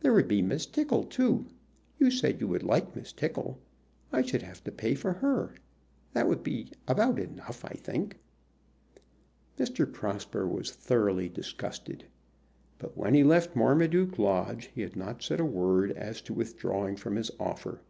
There would be Miss Tickle, too. You said you would like Miss Tickle. I should have to pay for her. That would be about enough, I think." Mr. Prosper was thoroughly disgusted; but when he left Marmaduke Lodge he had not said a word as to withdrawing from his offer.